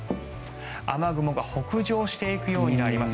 雨雲が北上していくようになります。